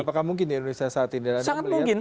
apakah mungkin di indonesia saat ini